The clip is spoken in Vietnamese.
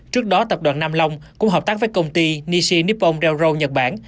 trước đó tập đoàn nam long cũng hợp tác với công ty nishi nippon delo nhật bản